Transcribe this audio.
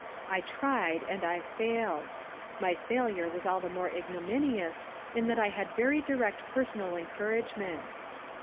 I tried and I failed. My failure was all the more ignominious in that I had very direct personal encouragement.